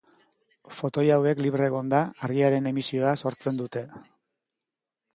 Fotoi hauek libre egonda argiaren emisioa sortzen dute.